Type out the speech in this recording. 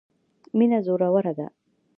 مینه زوروره ده.